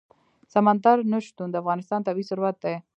سمندر نه شتون د افغانستان طبعي ثروت دی.